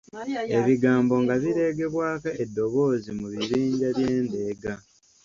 Ebigambo nga bireegebwako eddoboozi mu bibinja by’endeega.